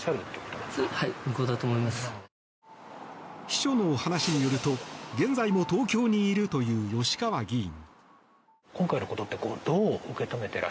秘書の話によると現在も東京にいるという吉川議員。